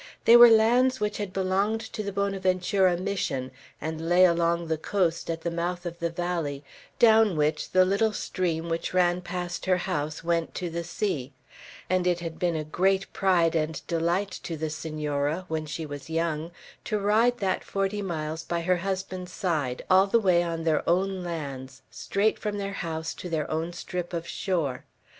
They were lands which had belonged to the Bonaventura Mission, and lay along the coast at the mouth of the valley down which the little stream which ran past her house went to the sea; and it had been a great pride and delight to the Senora, when she was young, to ride that forty miles by her husband's side, all the way on their own lands, straight from their house to their own strip of shore.